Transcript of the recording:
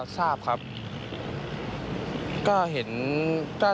ทราบไปตอนนั้นว่าเขาป่วยอยู่ไหม